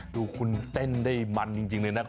ดูคุณเต้นได้มันจริงเลยนะครับ